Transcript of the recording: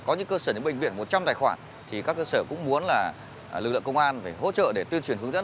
có những cơ sở những bệnh viện một trăm linh tài khoản thì các cơ sở cũng muốn là lực lượng công an phải hỗ trợ để tuyên truyền hướng dẫn